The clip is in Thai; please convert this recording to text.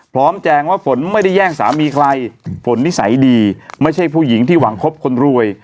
แจงว่าฝนไม่ได้แย่งสามีใครฝนนิสัยดีไม่ใช่ผู้หญิงที่หวังคบคนรวย